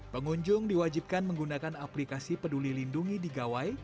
pengunjung diwajibkan menggunakan aplikasi peduli lindungi di gawai